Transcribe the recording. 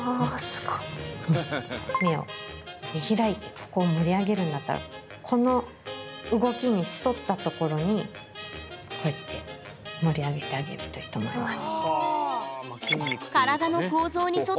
目を見開いてここを盛り上げるんだったらこの動きに沿った所にこうやって盛り上げてあげるといいと思います。